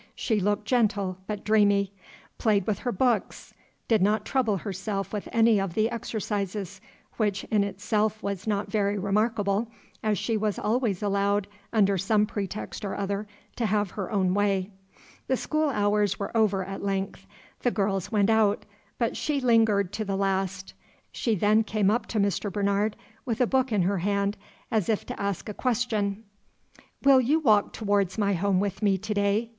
She looked gentle, but dreamy; played with her books; did not trouble herself with any of the exercises, which in itself was not very remarkable, as she was always allowed, under some pretext or other, to have her own way. The school hours were over at length. The girls went out, but she lingered to the last. She then came up to Mr. Bernard, with a book in her hand, as if to ask a question. "Will you walk towards my home with me today?"